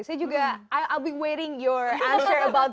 saya juga menunggu jawabannya